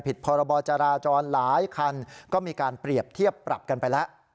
พรบจราจรหลายคันก็มีการเปรียบเทียบปรับกันไปแล้ว